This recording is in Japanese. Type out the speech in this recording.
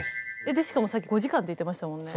でしかもさっき５時間って言ってましたもんね。